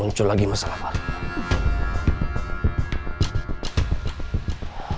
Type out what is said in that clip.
muncul lagi masalah parah